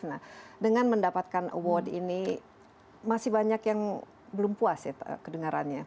nah dengan mendapatkan award ini masih banyak yang belum puas ya kedengarannya